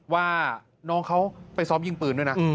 ว่าน้องเขาไปซ้อมยิงปืนด้วยนะ